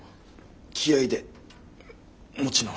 気合いで持ち直したよ。